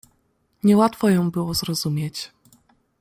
"Nie łatwo ją było zrozumieć."